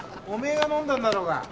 お前が飲んだんだろうが。